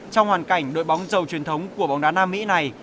trong hoàn cảnh đội bóng dầu truyền thống của bóng đá nam mỹ này